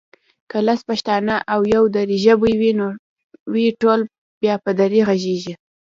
که لس پښتانه او يو دري ژبی وي ټول بیا په دري غږېږي